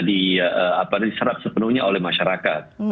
diserap sepenuhnya oleh masyarakat